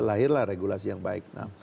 lahirlah regulasi yang baik